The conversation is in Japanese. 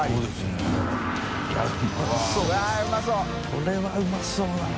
これはうまそうだな。